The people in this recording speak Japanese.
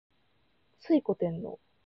推古天皇